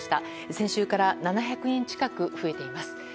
先週から７００人近く増えています。